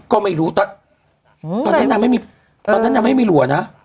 ก็ไม่รู้ตอนนั้นนางไม่มีตอนนั้นนางไม่มีหลัวนะ